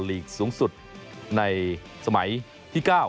ลีกสูงสุดในสมัยที่๙